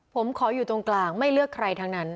ผมขออยู่ตรงกลางไม่เลือกใครทั้งนั้น